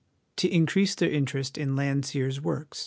To increase their interest in Landseer's works.